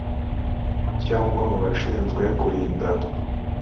cyangwa mu bashinzwe kurinda